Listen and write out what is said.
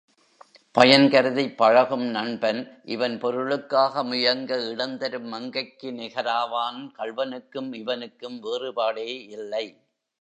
பயன் கருதிப் பழகும் நண்பன் இவன் பொருளுக்காக முயங்க இடந்தரும் மங்கைக்கு நிகராவான் கள்வனுக்கும் இவனுக்கும் வேறுபாடே இல்லை.